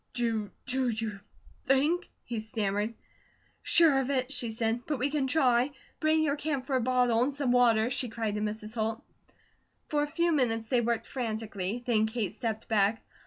"Do you think ?" he stammered. "Sure of it!" she said, "but we can try. Bring your camphor bottle, and some water," she cried to Mrs. Holt. For a few minutes, they worked frantically. Then Kate stepped back.